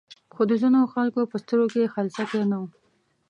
خو د ځینو خلکو په سترګو کې خلسکی نه و.